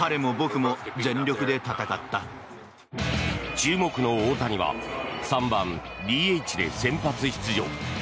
注目の大谷は３番ＤＨで先発出場。